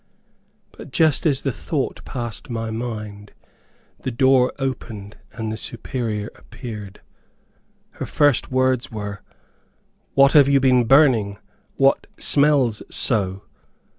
But just as the thought passed my mind, the door opened and the Superior appeared. Her first words were, "What have you been burning? What smells so?"